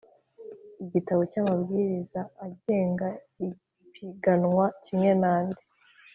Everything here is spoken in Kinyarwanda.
igitabo cy amabwiriza agenga ipiganwa kimwe n andi